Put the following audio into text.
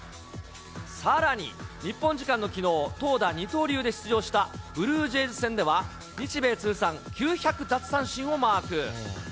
さらに、日本時間のきのう、投打二刀流で出場したブルージェイズ戦では、日米通算９００奪三振をマーク。